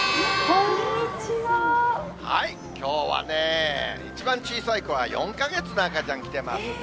きょうはね、一番小さい子は４か月の赤ちゃん、来てますね。